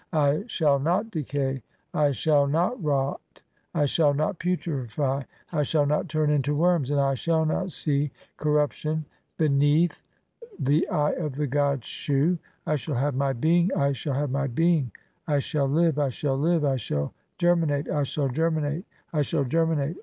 I shall not decay, "I shall not rot, I shall not putrefy, I shall not turn "into worms, and I shall not see corruption beneath i. See infra, p. 382 f. LXXXII INTRODUCTION. "the eye of the god Shu. I shall have my being, I "shall have my being. I shall live, I shall live. I shall "germinate, I shall germinate, I shall germinate.